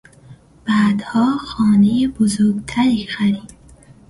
بعدها خانهی بزرگتری خرید.